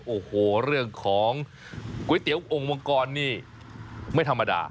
โอ้โหเรื่องของก๋วยเตี๋ยวองค์มังกรนี่ไม่ธรรมดา